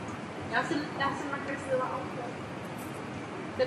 Profesním zaměřením je neurolog.